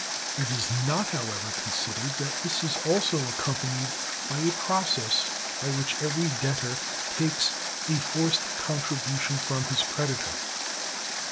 It is not, however, considered that this is also accompanied by a process by which every debtor takes "a forced contribution from his creditor."